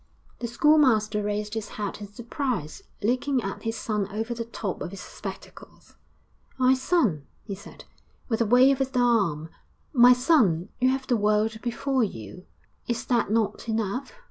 The schoolmaster raised his head in surprise, looking at his son over the top of his spectacles. 'My son,' he said, with a wave of the arm; 'my son, you have the world before you is that not enough?'